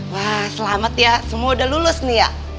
wah selamat ya semua udah lulus nih ya